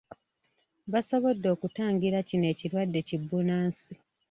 Basobodde okutangira kino ekiwadde ki bbunansi